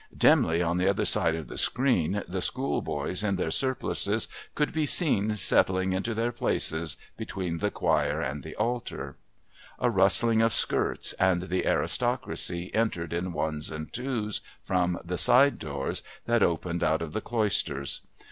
Dimly, on the other side of the screen, the School boys in their surplices could be seen settling into their places between the choir and the altar. A rustling of skirts, and the aristocracy entered in ones and twos from the side doors that opened out of the Cloisters.